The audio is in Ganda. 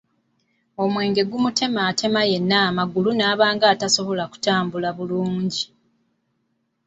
Omwenge gumutematema yenna amagulu naaba nga tasobola kutambula bulungi.